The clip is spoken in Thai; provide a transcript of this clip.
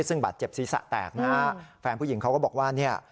ซึ่งบาดเจ็บศีรษะแตกนะฮะแฟนผู้หญิงเขาก็บอกว่าเนี่ย